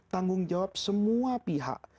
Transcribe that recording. tanggung jawab semua pihak